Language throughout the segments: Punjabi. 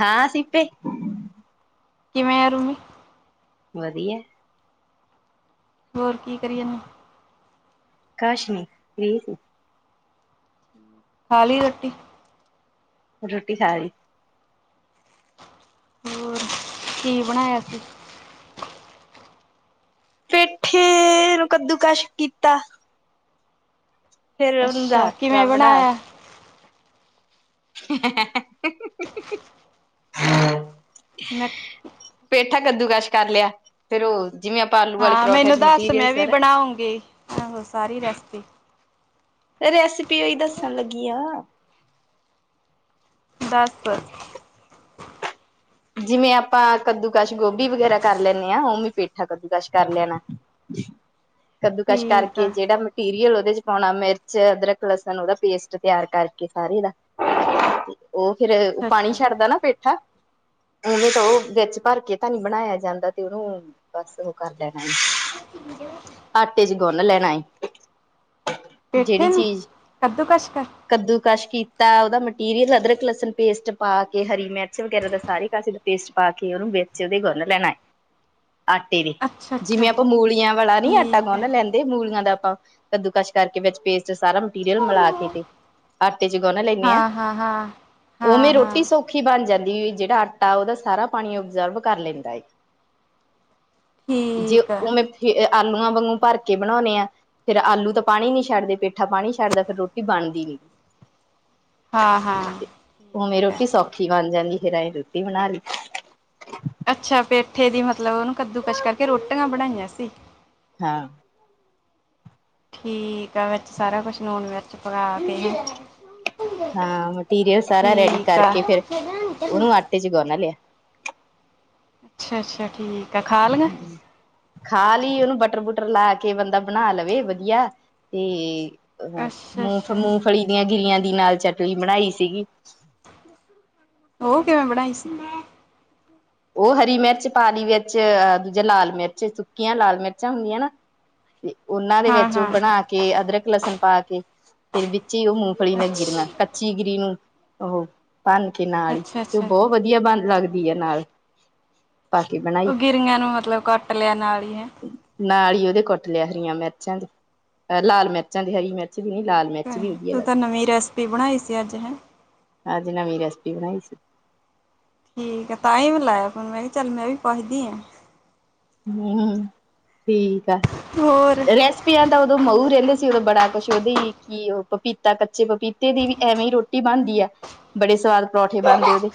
ਹਾਂ ਸੀਤੇ। ਕਿਵੇਂ ਆ ਰੂਮ? ਵਧੀਆ ਏ। ਹੋਰ ਕੀ ਕਰੀ ਯਾਨੇ ਕਾਸ਼ਮੀ ਲੇਡੀ। [inaudible] ਖਾਲੀ ਰੋਟੀ? ਰੋਟੀ ਖਾ ਰਈ। ਹੋਰ ਕੀ ਬਣਾਇਆ ਸੀ? ਪੈਠੇ ਨੂੰ ਕੱਦੂਕਸ਼ ਕੀਤਾ। ਫੇਰ ਉਹਨੂੰ ਅੱਛਾ ਦਾਖ ਟਾ ਕਿਵੇਂ ਬਣਾ ਬਣਾਇਆ ਕੇ। [inaudible] ਮੈਂ ਪੇਠਾ ਕੱਦੂਕਸ਼ ਕਰ ਲਿਆ, ਫੇਰ ਉਹ ਜਿਵੇ ਅ ਹਾਂ ਮੈਨੂੰ ਦੱਸ, ਮੈਂ ਵੀ ਬਣਾਉਂਗੀ, ਆਹੋ ਸਾਰੀ ਰੈਸਪੀ। ਰੈਸਿਪੀ ਔਈ ਦੱਸਣ ਲੱਗੀ ਆ। ਦਾਸ? ਜਿਵੇਂ ਆਪਾਂ ਕੱਦੂ ਕਸ਼ ਗੋਬੀ ਵਗੈਰਾ ਕਰ ਲੈਣੇ ਆ, ਉਵੇਂ ਈ ਪੇਠਾ ਕੱਦੂ ਕਸ਼ ਕਰ ਲੈਣਾ ਏ। ਕੱਦੂ ਕਸ਼ ਠੀਕ ਕਰਕੇ ਆ ਜੇਅੜਾ ਮ ਟੀਰੀਅਲ ਉਹਦੇ ਚ ਪਾਉਣਾ ਮਿਰਚ, ਅਦਰਕ, ਲਸਣ ਉਹਦਾ ਪੇਸਟ ਤਿਆਰ ਕਰਕੇ ਸਾਰੇ ਦਾ ਉਹ ਫਿਰ, ਉਹ ਅੱਛਾ ਪਾਣੀ ਅੱਛਾ ਛੱਡਦਾ ਨਾ ਪੇਠਾ? ਉਵੇ ਤਾਂ ਉਹ ਵਿਚ ਭਰ ਕੇ ਤਾਂ ਨੀ ਬਣਾਇਆ ਜਾਦਾ, ਤੇ ਉਹਨੂੰ ਬਸ ਉਹ ਕਰ ਲੈਣਾ ਏ, ਆਟੇ ਚ ਗੁੰਨ ਲੈਣਾ ਏ। ਪੇਠੇ ਜੇਅੜੀ ਨੂੰ ਚੀਜ਼ ਕੱਦੂਕਸ਼ ਕਰ ਕੱਦੂ ਕਸ਼ ਕੀਤਾ, ਉਹਦਾ ਮਟੀਰੀਅਲ ਅਦਰਕ, ਲਸਣ, ਪੇਸਟ ਪਾ ਕੇ, ਹਰੀ ਮਿਰਚ ਵਗੈਰਾ ਦਾ ਸਾਰੇ ਪੇਸਿਲ ਪੇਸਟ ਪਾ ਕੇ ਉਹਨੂੰ, ਵਿੱਚ ਉਹਦੇ ਗੁਣ ਲੈਣਾ ਏ। ਆਟੇ ਦੇ, ਅੱਛਾ ਅੱਛਾ ਜਿਵੇ ਆਪਾਂ ਮੂਲੀਆਂ ਵਾਲਾ ਨੀ ਆਟਾ ਠੀਕ ਹੈ ਗੁਣ ਲੈਂ ਦੇ ਮੂਲੀਆਂ ਦਾ ਆਪਾਂ, ਕੱਦੂ ਕਸ਼ ਕਰਕੇ ਵਿੱਚ ਪੇਸਟ ਸਾਰਾਂ ਮਟੀਰੀਅਲ ਮਿਲਾ ਕੇ ਤੇ, ਆਟੇ ਚ ਗੁਣ ਲੈਣੇ ਆ। ਹਾਂ ਹਾਂ ਹਾਂ ਉਵੇਂ ਹਾਂ ਹਾਂ ਰੋਟੀ ਸੋ ਖੀ ਬਣ ਜਾਂਦੀ, ਵੀ ਜੇਅੜਾ ਆਟਾ ਉਹਦਾ ਸਾਰਾਂ ਪਾਣੀ ਓਬਜ਼ਰਵ ਕਰ ਲੈਂਦਾਂ ਏ। ਜੇ ਠੀਕ ਆ ਉਹਵੇਂ ਥੇ, ਅਹ ਆਲੂਆਂ ਵਾਂਗੂ ਭਰ ਕੇ ਬਣਾਉਣੇ ਐ ਫੇਰ ਆਲੂ ਤਾਂ ਪਾਣੀ ਨੀ ਛੱਡਦੇ, ਪੇਠਾ ਪਾਣੀ ਛੱਡਦਾ, ਫਿਰ ਰੋਟੀ ਬਣਦੀ ਨਈ। ਹਾਂ ਹਾਂ ਉਵੇਂ ਰੋਟੀ ਸੌਖੀ ਬਣ ਜਾਂਦੀ, ਫੇਰ ਐਂ ਰੋਟੀ ਬਣਾ ਲਈ। ਅੱਛਾ, ਪੇਠੇ ਦੀ ਮਤਲਬ, ਉਹਨੂੰ ਕੱਦੂਕਸ਼ ਕਰਕੇ ਰੋਟੀਆਂ ਬਣਾਈਆਂ ਸੀ। ਹਾਂ। ਹਮ [inaudible] ਠੀਕ ਆ, ਵਿਚ ਸਾਰਾ ਕੁਛ ਲੂਣ ਮਿਰਚ ਪਕਾ ਕੇ। ਹਾਂ, ਮਟੀਰੀਅਲ ਸਾਰਾ ਰੈਡੀ ਠੀਕ ਆ। ਕਰਕੇ ਫੇਰ, ਉਹਨੂੰ ਆਟੇ ਚ ਗੋਣ ਲੇਆ। ਅੱਛਾ-ਅੱਛਾ, ਠੀ ਹੂੰ। ਖਾ ਲਈ ਉਹਨੂੰ ਬਟਰ ਬੁਟਰ ਲਾ ਕੇ, ਬੰਦਾ ਬਣਾ ਲਵੇ ਵਧੀਆ, ਤੇ ਅਹਾ ਮੂਫ ਅੱਛਾ-ਅੱਛਾ ਮੂਫਲੀ ਦੀਆਂ ਗਿਰੀਆਂ ਦੀ ਨਾਲ ਚਟਲੀ ਬਣਾਈ ਸੀਗੀ। ਉਹ ਕਿਵੇਂ ਬਣਾਈ ਸੀ? ਉਹ ਹਰੀ ਮਿਰਚ ਪਾ ਲਈ ਵਿੱਚ, ਅ ਦੂਜਾ ਲਾਲ ਮਿਰਚ, ਸੁੱਕੀਆਂ ਲਾਲ ਮਿਰਚਾਂ ਹੁੰਦੀਆਂ ਨਾ? ਤੇ ਉਹਨਾਂ ਦੇ ਵਿੱਚ ਉਹ ਹਾਂ-ਹਾਂ ਬਣਾ ਕੇ ਅਦਰਕ ਲਸਣ ਪਾ ਕੇ ਫਿਰ ਵਿੱਚ ਹੀ ਉਹ ਮੂੰਗਫਲੀ ਦੀ ਅੱਛ ਗਿਰੀਆਂ ਕੱਚੀ ਗਿਰੀ ਨੂੰ ਉਹ ਬੰਨ ਕੇ ਨਾਲ ਹੀ ਤੇ, ਉਹ ਅੱਛਾ-ਅੱਛਾ ਬਹੁਤ ਵਧੀਆ ਬਣ ਲੱਗਦੀ ਆ ਨਾਲ। ਪਾ ਕੇ ਬਣਾ [unintelligible] ਉਹ ਗਿਰਆਂ ਨੂੰ ਮਤਲਬ ਕੱਟ ਲੈਣ ਵਾਲੀ ਹੈ। ਨਾਲ ਹੀ ਉਹਦੇ ਕੁੱਟ ਲਿਆ ਹਰੀਆਂ ਮਿਰਚਾਂ ਦੇ ਲਾਲ ਮਿਰਚਾਂ ਦੀ ਹਰੀ ਮਿਰਚ। ਵਿੱਚ ਨੀ, ਲਾਲ ਮਿਰਚ ਵੀ ਵਧੀਆ ਤੂੰ ਲਗਦੀ। ਤਾਂ ਨਵੀਂ ਰੈਸਪੀ ਬਣਾਈ ਸੀ ਅੱਜ ਹੈਂ। ਅੱਜ ਨਵੀ ਰੈਸਿਪੀ ਬਣਾਈ ਸੀ ਠੀਕ ਹੈ ਤਾਂ ਹੀ ਮੈ ਲਾਇਆ ਫੋਨ ਮੈਂ ਕਿਹਾ ਚੱਲ ਮੈਂ ਵੀ ਪੁੱਛਦੀ ਹਾਂ। ਹਾਮ, ਠੀਕ ਆ, ਹੋਰ ਰੈਸਪੀਆਂ ਤਾਂ ਉਦੋਂ ਮਊ ਰਹਿੰਦੇ ਸੀ, ਉਦੋਂ ਬੜਾ ਕੁਛ ਉਹਦੇ ਕਿ ਉਹ ਪਪੀਤਾ ਕੱਚੇ ਪਪੀਤੇ ਦੀ ਵੀ ਐਵੇਂ ਹੀ ਰੋਟੀ। ਰੋਟੀ ਬਣਦੀ ਆ ਬੜੇ ਸਵਾਦ ਪਰੌਠੇ ਬਣਦੇ ਉਹਦੇ,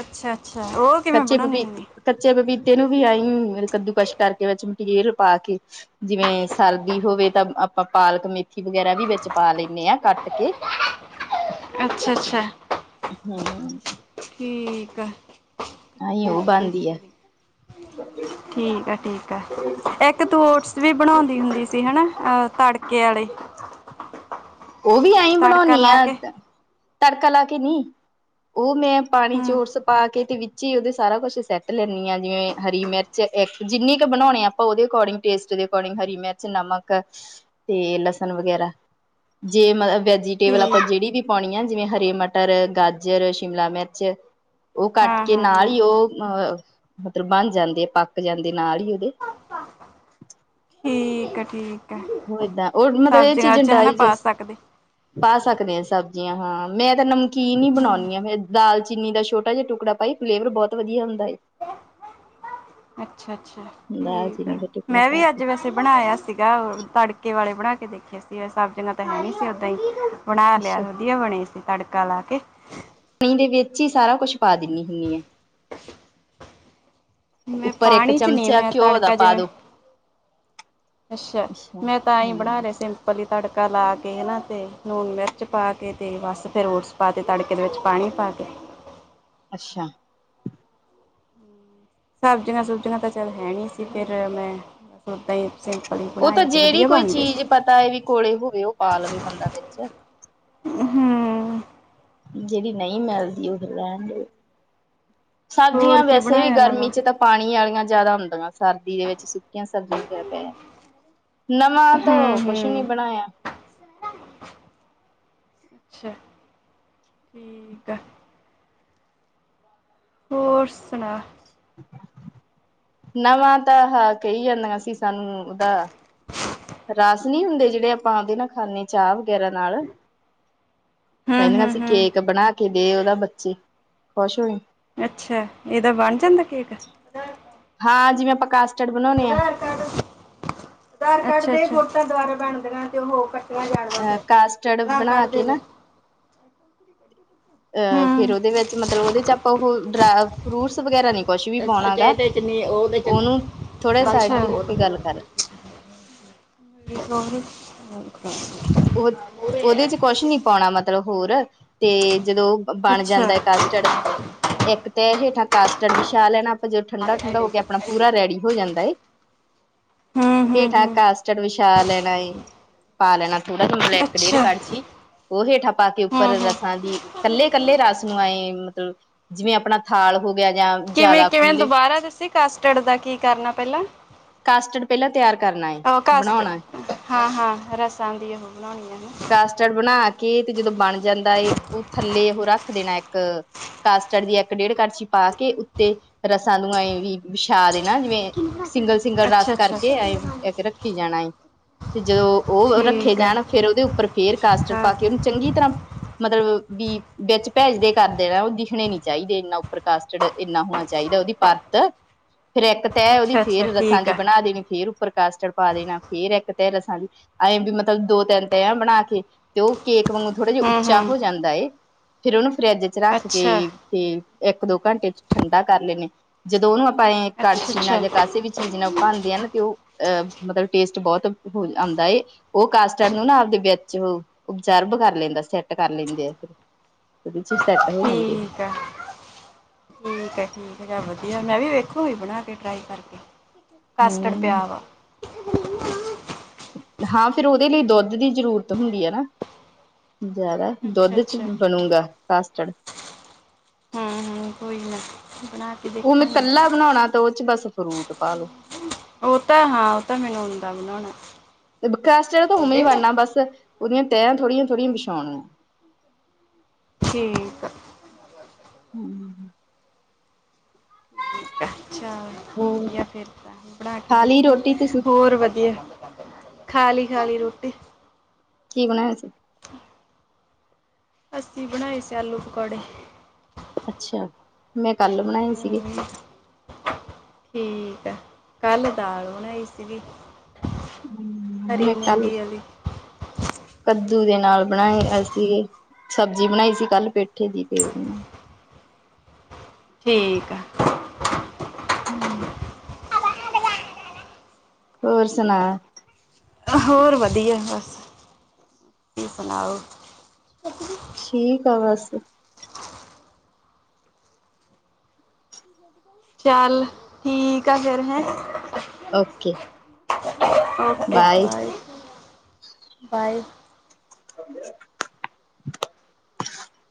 ਅੱਛਾ ਅੱਛਾ, ਹੋਰ ਕੱਚੇ ਪਪੀ, ਕੱਚੇ ਪਪੀਤੇ ਨੂੰ ਵੀ ਆਈ ਕੱਦੂਕਸ਼ ਕਰਕੇ ਵਿੱਚ ਮਟੀਰੀਅਲ ਪਾ ਕੇ। ਜਿਵੇਂ ਸਰਦੀ ਹੋਵੇ ਤਾਂ ਆਪਾਂ ਪਾਲਕ, ਮੇਥੀ ਵਗੈਰਾ ਵੀ ਵਿੱਚ ਪਾ ਲੈਂਦੇ ਹਾਂ ਕੱਟ ਕੇ। ਅੱਛਾ-ਅੱਛਾ। ਹਮ। ਠੀਕ ਆ, ਨਾ ਈ ਉਹ ਬਣਦੀ ਆ। ਠੀਕ ਆ ਠੀਕ ਆ ਇੱਕ ਤੂ ਓਟਸ ਵੀ ਬਣਾਉਂਦੀ ਹੁੰਦੀ ਸੀ ਤੇ ਹਨਾ ਅਹ ਤੜਕੇ ਵਾਲੇ ਉਹ ਵੀ ਐਈ ਤੜਕਾ ਬਣਾਉਣੀ ਲਾ ਆ, ਕੇ ਤੜਕਾ ਲਾ ਕੇ ਨਹੀਂ। ਉਹ ਮੈਂ ਪਾਣੀਚ ਹੂੰ ਓਟਸ ਪਾ ਕੇ ਤੇ ਵਿੱਚ ਹੀ ਉਹਦੇ ਸਾਰਾ ਕੁਛ ਸੈੱਟ ਲੈਂਦੀ ਹਾਂ ਜਿਵੇਂ ਹਰੀ ਮਿਰਚ, ਜਿੰਨੀ ਕੁ ਬਣਾਉਣੀ ਆ ਆਪਾਂ ਉਹਦੇ ਅਕੋਰਡਿੰਗ ਟੇਸਟ ਦੇ ਅਕੋਰਡਿੰਗ ਹਰੀ ਮਿਰਚ, ਨਮਕ ਤੇ ਲਸਣ ਵਗੈਰਾ, ਜੇ ਵੈਜੀਟੇਬਲ ਠੀਕ ਆਪਾਂ ਜਿਹੜੀ ਵੀ। ਪਾਉਣੀ ਆ, ਜਿਵੇਂ ਹਰੀ ਮਟਰ, ਗਾਜਰ, ਸ਼ਿਮਲਾ ਮਿਰਚ। ਉਹ ਕੱਟ ਹਾਂ ਕੇ ਹਾਂ ਨਾਲ ਹਾਂ ਹੀ ਉਹ ਅ ਮਤਲਬ ਬਣ ਜਾਂਦੇ ਪੱਕ ਜਾਂਦੇ ਨਾਲ ਹੀ ਉਹਦੇ। ਠੀਕ ਆ ਠੀਕ। ਆ ਹੋ ਏਦਾਂ ਉਹ ਮਤਲਬ ਇਹ ਸਬਜ਼ੀਆਂ ਚੀਜ਼ ਚ ਹਨਾ ਪਾ ਡਾਈਜੇਸਟ। ਸਕਦੇ ਪਾ ਸਕਦੇ ਹਾਂ ਸਬਜ਼ੀਆਂ ਹਾਂ, ਮੈਂ ਤਾਂ ਨਮਕੀਨ ਹੀ ਹੂੰ ਬਣਾਉਂਦੀ ਹਾਂ ਦਾਲਚੀਨੀ ਦਾ ਛੋਟਾ ਜਿਹਾ ਟੁਕੜਾ ਪਾਈ। ਫਲੇਵਰ ਬਹੁਤ ਵਧੀਆ ਹੁੰਦਾ ਏ ਅੱਛਾ- ਅੱਛਾ ਦਾਲ ਠੀਕ ਆ, ਚੀਨੀ ਦਾ ਟੁਕੜਾ ਮੈਂ ਪਾ ਵੀ ਕੇ ਅੱਜ ਵੈਸੇ। ਬਣਾਇਆ ਸਿਗਾ ਤੜਕੇ ਵਾਲੇ ਬਣਾ ਕੇ ਦੇਖੇ ਸੀ, ਸਬਜੀਆ ਤਾਂ ਹੈ ਨਹੀਂ ਸੀ ਓਦਾਂ ਹੀ। ਬਣਾ ਲਿਆ ਅੱਛਾ ਵਧੀਆ ਬਣੇ ਸੀ ਤੜਕਾ ਲਾ ਕੇ। ਪਾਣੀ ਦੇ ਵਿੱਚ ਹੀ ਸਾਰਾ ਕੁਛ ਪਾ ਦਿੰਦੀ ਹੁੰਦੀ ਹੈ। ਮੈਂ ਉੱਪਰ ਇੱਕ ਪਾਣੀ ਚ ਨਹੀ, ਚਮਚਾ ਮੈਂ ਘਿਓ ਦਾ ਤੜਕਾ ਪਾ ਜਿਵੇਂ। ਦੋ ਅੱਛਾ- ਮੈਂ ਤਾਂ ਹੀ ਬਣਾ ਰਿਹਾ ਸ। ਉਪਰਲੀ ਤੜਕਾ ਲਾ ਕੇ ਹਨਾ ਤੇ ਲੂਣ ਮਿਰਚ ਪਾ ਕੇ ਤੇ ਬਸ ਫੇਿਰ ਓਟਸ ਪਾ ਦੇਈਏ। ਤੇ ਤੜਕੇ ਦੇ ਵਿੱਚ ਪਾਣੀ ਪਾ ਕੇ। ਅੱਛਾ, ਸਬਜ਼ੀਆਂ ਸੁਬਜ਼ੀਆਂ ਤਾਂ ਚੱਲ ਹੈ ਨਹੀ ਸੀ, ਫਿਰ ਮੈਂ। ਓਦਾ ਹੀ ਸਿੰਪਲ ਹੀ ਬਣਾਏ ਤੇ ਵਧੀਆ ਬਣ ਗਏ ਸੀ। ਤਏ ਵੀ ਕੋਲੇ ਹੋਵੇ ਉਹ ਪਾ ਲਵੇ ਬੰਦਾ ਵਿੱਚ। ਹੂੰ ਜਿਹੜੀ ਨਹੀਂ ਮਿਲਦੀ ਉਹ ਫਿਰ ਰਹਿਣ, ਦੇ ਹੋਰ ਸਬਜ਼ੀਆਂ ਕੀ ਵੈਸੇ ਵੀ ਬਣਾਇਆ ਨਵਾਂ ਗਰਮੀ ਚ ਤਾਂ ਪਾਣੀ ਵਾਲੀਆਂ ਜ਼ਿਆਦਾ ਹੁੰਦੀਆਂ। ਸਰਦੀ ਦੇ ਵਿੱਚ ਸੁੱਕੀਆਂ ਸਬਜ਼ੀਆਂ ਵਗੈਰਾ ਪੈ ਜਾਂਦੀਆਂ ਨਵਾਂ ਹੂੰ ਤੋਂ ਕੁਛ ਹੂੰ ਨੀ ਬਣਾਇਆ [inaudible] ਅੱਛਾ ਠੀਕ ਆ [unintelligible] ਹੋਰ ਸੁਣਾ। ਨਵਾਂ ਤਾਂ ਹਾਂ ਕਹੀ ਜਾਂਦਾ ਸੀ ਸਾਨੂੰ ਉਹਦਾ ਰਸ ਨਹੀਂ ਹੁੰਦੇ ਜਿਹੜੇ ਆਪਾਂ ਉਂਦੇ ਨਾ ਖਾਂਦੇ ਚਾਹ ਵਗੈਰਾਨਾਲ ਹੂੰ ਕਹਿੰਦੇ ਹੂੰ ਅਸੀਂ ਹੂੰ ਕੇਕ ਬਣਾ ਕੇ ਗਏ ਉਹਦੇ ਬੱਚੇ ਖੁਸ਼ ਹੋਏ ਅੱਛਾ ਇਹਦਾ ਬਣ ਜਾਂਦਾ ਕੇਕ ਆਧਾਰ ਹਾਂ ਜਿਵੇਂ ਆਪਾਂ ਕਾਸਟਡ ਬਣਾਉਣੇ ਆ ਆਧਾਰ- ਕਾਰਡ ਆਧਾਰ- ਕਾਰਡ ਤੇ ਫੋਟੋ, ਦੁਬਾਰਾ ਬਣ ਦੇਆਂ ਤੇ ਉਹ ਹੋ ਮੈਂ ਜਾ ਲਵਾਂ ਅ ਫਿਰ, ਕਾਸਟਰਡ ਆਧਾਰ ਬਣਾ ਕਾਰਡ ਕੇ ਦੇ- ਨਾ ਦੇ ਅਹ ਫੇਰ, ਹੂੰ ਉਹਦੇ ਵਿੱਚ ਮਤਲਬ ਉਹਦੇ ਚ, ਆਪਾਂ ਉਹ ਫਰੂਟਸ ਵਗੈਰਾ ਨ ਕੁਛ ਵੀ ਅੱਛਾ ਪਾਉਣਾ ਚ ਗਾ, ਇਹਦੇ ਚ ਨਹੀਂ ਉਹਦੇ ਚ ਉਹਨੂੰ ਥੋੜੇ ਸਾਈਡ, ਬਾਈਕਾਂ ਤੇ ਹੋ ਕੋਲ ਕੇ ਗੱਲ ਕਰ। [inaudible] ਹਾਂ। [inaudible] ਉਹ ਉਹਦੇ ਚ, ਕੁਛ ਨੀ ਪਾਉਣਾ ਮਤਲਬ ਹੋਰ ਤੇ ਜਦੋਂ ਬਣ ਅੱਛਾ ਜਾਂਦਾ ਕ, ਇੱਕ ਤੇ ਹੇਠਾਂ, ਕਾਸਟਡ ਵੀਛਾ ਲੈਣਾ ਜਦੋਂ, ਆਲੇ ਠੰਡਾ- ਠੰਡਾ ਐਡੇ ਹੋ ਕੇ ਜੀ ਆਪਣਾ ਐਡੇ ਪੂਰਾ ਜੀ ਰੈਡੀ ਹੋ ਜਾਂਦਾ ਏ, ਹੂੰ ਹੂੰ ਹੇਠਾ ਹੂੰ ਕਸਟਡ ਵਿਛਾ ਲੈਣਾ ਏ, ਪਾ ਲੈਣਾ ਥੋੜਾ ਜ ਮਤਲਬ ਇੱਕ ਡੇਢ ਅੱਛਾ ਕੜਛੀ। ਉਹ ਹੇਠਾਂ ਪਾ ਕੇ, ਉੱਪਰ ਹੂੰ ਹੂੰ ਰਸਾਂ ਦੀ ਇਕੱਲੇ -ਇਕੱਲੇ ਰਸ ਨੂੰ ਆਏ ਮਤਲਬ ਜਿਵੇਂ, ਆਪਣਾ ਥਾਲ ਹੋ ਗਿਆ ਜਾਂ ਕਿਵੇਂ ਜ਼ਿਆਦਾ -ਕਿਵੇਂ ਖੁੱਲੇ ਦੁਬਾਰਾ ਦੱਸੀ ਕਾਸਟਡ ਦਾ ਕੀ- ਕਰਨਾ ਪਹਿਲਾਂ ਕਾਸਟਡ ਪਹਿਲਾਂ, ਤਿਆਰ ਕਰਨਾ, ਉਹ ਕਸਟ ਬਣਾਉਣਾ। ਹਾਂ- ਹਾਂ ਰਸਾਂ ਦੀ ਉਹ ਬਣਾਉਣੀ ਨੇ, ਕਸਟਰਡ ਬਣਾ ਕੇ, ਤੇ ਜਦੋਂ ਬਣ ਜਾਂਦਾ ਹੈ, ਉਹ ਥੱਲੇ, ਉਹ ਰੱਖ ਦੇਣਾ ਇੱਕ। ਕਾਸਟਡ ਦੀ ਇੱਕ ਡੇਢ ਕਰਛੀ ਪਾ, ਕੇ ਉੱਤੇ ਰਸਾਂ ਦੂਆਂਏ ਵੀ ਵਿਛਾ ਦੇਣਾ ਜਿਵੇਂ, ਨਾ ਸਿੰਗਲ- ਸਿੰਗਲ ਰਸ ਅੱਛਾ ਅੱਛਾ ਕਰਕੇ ਰੱਖੀ ਜਾਣਾ ਏ। ਤੇ ਜਦੋਂ, ਉਹ ਰੱਖ ਰੱਖੇ ਠੀਕ ਹੈ ਜਾਣ, ਫਿਰ ਉਹਦੇ ਉੱਪਰ ਫੇਰ, ਕਾਸਟਰ ਹਾਂ ਪਾ ਕੇ ਉਹਨੂੰ ਚੰਗੀ ਤਰ੍ਹਾਂ ਮਤਲਬ ਵੀ ਵਿੱਚ ਭੇਜਦੇ ਕਰਦੇ ਨੇ, ਉਹ ਦਿਖਣੇ ਨਈ। ਚਾਹੀਦੇ ਇੰਨਾ ਉੱਪਰ, ਕਸਟਰਡ ਇੰਨਾ ਹੋਣਾ ਚਾਹੀਦਾ ਉਹਦੀ ਪਰਤ, ਫਿਰ ਇੱਕ ਤਹਿ, ਉਹਦੀ ਅੱਛਾ ਅੱਛਾ ਫੇਰ ਰਸਾਂ ਠੀਕ ਦੀ ਹੈ ਬਣਾ ਦੇਣੀ ਫੇਰ, ਉੱਪਰ ਕਾਸਟੜ ਪਾ ਦੇਣਾ ਫੇਰ ਇੱਕ ਤਹਿ ਰਸਾਂ ਦੀ, ਐਏਂ ਵੀ ਮਲਬ ਮਤਲਬ ਦੋ ਤਿੰਨ ਤ ਬਣਾ ਕੇ, ਤੇ ਉਹ ਕੇਕ ਵਾਂਗੂ ਥੋੜ੍ਹਾ ਜਿਹਾ ਹੂੰ ਉੱਚਾ ਹੂੰ ਹੋ, ਜਾਂਦਾ ਏ, ਫੇਰ ਉਹਨੂੰ, ਫਰਿੱਜ ਚ ਰੱਖ ਅੱਛਾ ਕੇ ਤੇ, ਇੱਕ ਦੋ ਘੰਟੇ ਚ ਠੰਡਾ ਕਰ ਲੈਣੇ ਆ। ਜਦੋ, ਉਹਨੂੰ ਆਪਾਂ ਐ ਅੱਛਾ ਕੜਛੀ ਨਾਲ ਅੱਛਾ ਜਾਂ ਕਾਸੇ ਵਿੱਚ ਚੀਜ਼ ਨਾਲ ਭਾਂਂਦੀਆ ਨੇ, ਤੇ ਉਹ ਅਹ ਮਤਲਬ ਟੇਸਟ ਬਹੁਤ ਆਉਂਦਾ। ਏ ਉਹ ਕਾਸਟਡ ਨੂੰ ਨਾ, ਆਪਦੇ ਵਿੱਚ ਓਬਜਰਬ ਕਰ ਲੈਂਦਾ, ਸੈੱਟ ਕਰ ਲੈਂਦੇ ਆ ਫ ਦੂਜੀ ਸਾਇਡ, ਠੀਕ ਆ ਠੀਕ ਹੈ, ਠੀਕ ਹੈ ਵਧੀਆ ਮੈਂ ਵੀ, ਵੇਖੋਗੀ ਬਣਾ ਕੇ ਟਰਾਈ ਕਰਕੇ ਕਾਸਟਡ ਹਮ ਪਿਆ ਵਾ, ਹਾਂ ਫਿਰ, ਉਹਦੇ ਲਈ ਦੁੱਧ ਦੀ ਜ਼ਰੂਰਤ ਹੁੰਦੀ ਹੈ, ਨਾ ਜ਼ਿਆਦਾ? ਅੱਛਾ ਦੁੱਧ ਚ, ਅੱਛਾ ਬਣੂਗਾ ਕਾਸਟਡ? ਹਮ -ਹਮ ਕੋਈ ਨਾ, ਬਣਾ ਕੇ ਉਹ ਮੈਂ ਦੇਖਾਂਗੇ। ਕੱਲਾ ਬਣਾਉਣਾ ਤੇ ਉਹ ਚ, ਬਸ ਫਰੂਟ ਪਾ ਲੋੋ ਉਹ ਤਾਂ ਹੈ ਉਹ ਤਾਂ ਮੈਨੂੰ, ਆਉਂਦਾ ਬਣਾਉਣਾ। ਤੇ ਬਕਸਟਾ ਤਾਂ ਹੁਣੀ ਠੀਕ ਆ ਬਣਨਾ, ਬਸ ਉਹਦੀਆਂ ਤਹਿਆਂ ਥੋੜੀਆਂ -ਥੋੜੀਆਂ ਵਿਛਾਉਣੀਆਂ। ਠੀਕ ਆ। ਹੋਰ ਜਾ, ਫਿਰ ਤਾਂ ਬਣਾ ਕੇ ਖਾ ਲਈ ਦੇਖਾ ਮੈ, ਰੋਟੀ ਤੁਸੀਂ ਹੋਰ ਵਧੀਆ। ਖਾ ਲਈ, ਖਾ ਲਈ, ਰੋਟੀ। ਕਿ ਬਣਾਇਆ ਸੀ। ਅਸੀਂ ਬਣਾਏ ਸੀ, ਆਲੂ ਪਕੌੜੇ। ਅੱਛਾ, ਮੈਂ ਕੱਲ ਬਣਾਏ ਸੀਗੇ। ਹੂੰ ਠੀਕ ਆ, ਕੱਲ ਦਾਲ ਬਣਾਈ ਸੀਗੀ। ਹਮ ਹਰੀ ਮੈਂ ਕੱਲ, ਮੂੰਗੀ ਵਾਲੀ। ਕੱਦੂ ਦੇ ਨਾਲ, ਬਣਾਏ ਅਸੀਂ ਸਬਜ਼ੀ ਬਣਾਈ ਸੀ। ਕੱਲ ਪੇਠੇ ਦੀ ਤੇ ਉਹਦੀ ਠੀਕ ਆ। ਹੂੰ। ਹੋਰ ਸੁਣਾ? ਹੋਰ ਵਧੀਆ, ਬਸ ਤੁਸੀਂ ਸੁਣਾਓ? ਠੀਕ ਆ ਬਸ। ਚੱਲ ਠੀਕ ਆ ਫੇਰ ਹੈਂ। ਓਕੇ। Okay, bye- bye [unintelligible]